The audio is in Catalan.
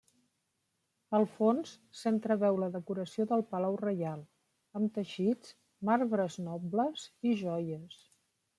Al fons s'entreveu la decoració del palau reial, amb teixits, marbres nobles i joies.